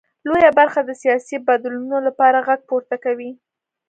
لویه برخه د سیاسي بدلونونو لپاره غږ پورته کوي.